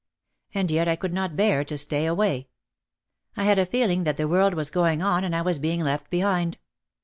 And yet I could not bear to stay away. I had a feeling that the world was going on and I was being left behind.